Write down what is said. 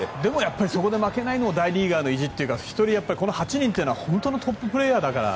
そこで負けないのが大リーガーの意地というかこの８人は本当にトッププレーヤーだから。